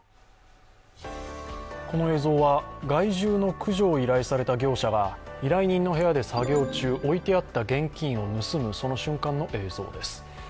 この映像は害獣の駆除を依頼された業者が依頼人の部屋で作業中置いてあった現金を盗むその瞬間の映像です。